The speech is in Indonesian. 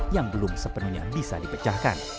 yang belum sepenuhnya bisa dipecahkan